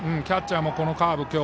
キャッチャーも、このカーブ